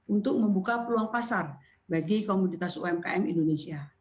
untuk membuka peluang pasar bagi komoditas umkm indonesia